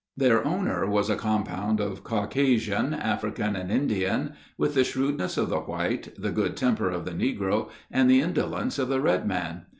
Their owner was a compound of Caucasian, African, and Indian, with the shrewdness of the white, the good temper of the negro, and the indolence of the red man.